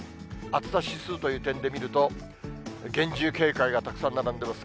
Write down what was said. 暑さ指数という点で見ると、厳重警戒がたくさん並んでます。